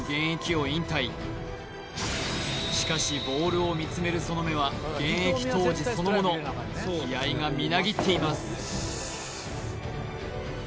しかしボールを見つめるその目は現役当時そのもの気合いがみなぎっています